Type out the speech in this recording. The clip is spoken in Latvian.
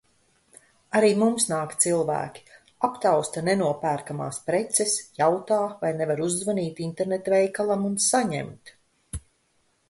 Arī mums nāk cilvēki, aptausta "nenopērkamās" preces, jautā, vai nevar uzzvanīt internetveikalam un saņemt.